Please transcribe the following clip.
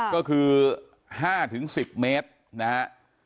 ก็คือ๕๑๐เมตรนะฮะ